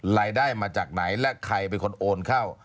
รายได้มาจากไหนและใครเป็นคนโอนเข้า